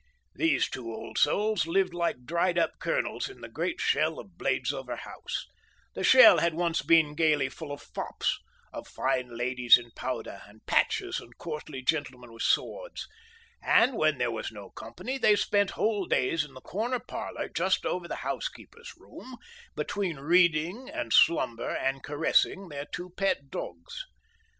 These two old souls lived like dried up kernels in the great shell of Bladesover House, the shell that had once been gaily full of fops, of fine ladies in powder and patches and courtly gentlemen with swords; and when there was no company they spent whole days in the corner parlour just over the housekeeper's room, between reading and slumber and caressing their two pet dogs.